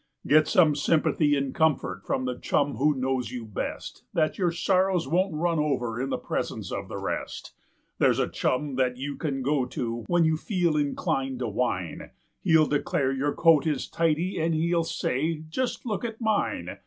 Get some sympathy and comfort from the chum who knows you best, Then your sorrows won't run over in the presence of the rest ; There's a chum that you can go to when you feel inclined to whine, He'll declare your coat is tidy, and he'll say : "Just look at mine